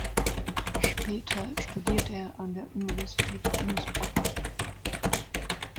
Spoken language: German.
Später studierte er an der Universität Innsbruck.